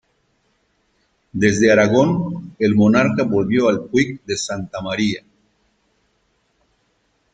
Desde Aragón, el monarca volvió al Puig de Santa María.